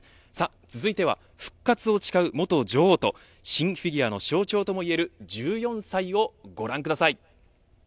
続いては、復活を誓う元女王とシン・フィギュアの象徴ともいえる１４歳をご覧ください。